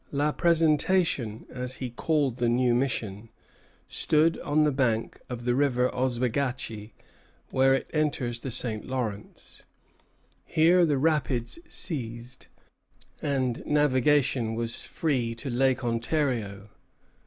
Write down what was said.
La Présentation, as he called the new mission, stood on the bank of the River Oswegatchie where it enters the St. Lawrence. Here the rapids ceased, and navigation was free to Lake Ontario.